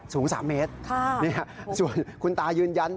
สูง๓เมตรส่วนคุณตายืนยัน